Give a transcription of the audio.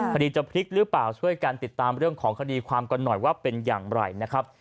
จะพลิกหรือเปล่าช่วยกันติดตามเรื่องของคดีความกันหน่อยว่าเป็นอย่างไรนะครับ